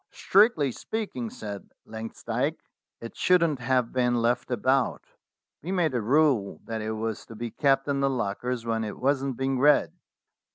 "Strictly speaking," said Langsdyke, "it shouldn't have been left about. We made a rule that it was to be kept in the lockers when it wasn't being read."